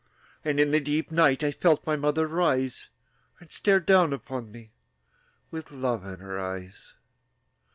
And in the deep night I felt my mother rise, And stare down upon me With love in her eyes.